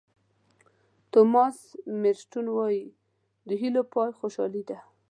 توماس مېرټون وایي د هیلو پای خوشالي ده.